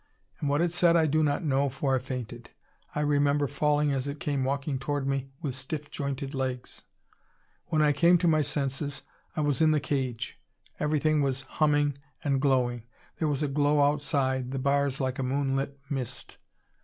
And what it said I do not know, for I fainted. I remember falling as it came walking toward me, with stiff jointed legs. "When I came to my senses I was in the cage. Everything was humming and glowing. There was a glow outside the bars like a moonlit mist.